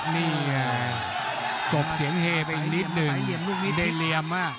นี่โกบเสียงเฮไปอีกนิดหนึ่งได้เหลี่ยม